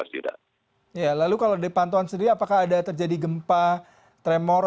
ya lalu kalau dari pantauan sendiri apakah ada terjadi gempa tremor